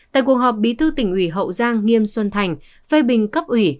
tại cuộc họp bí thư tỉnh ủy hậu giang nghiêm xuân thành phê bình cấp ủy